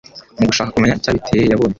mu gushaka kumenya icyabiteye, yabonye